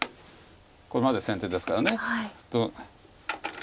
これまで先手ですから。